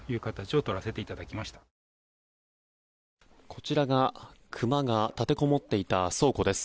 こちらがクマが立てこもっていた倉庫です。